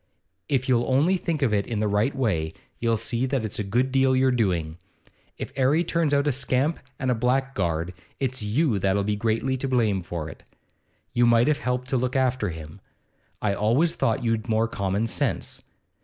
If you'll only think of it in the right way, you'll see that's a good deal your doing. If 'Arry turns out a scamp and a blackguard, it's you that 'll be greatly to blame for it. You might have helped to look after him. I always thought you'd more common sense.